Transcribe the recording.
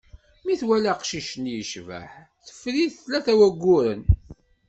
Mi twala aqcic-nni, yecbeḥ, teffer-it tlata n wagguren.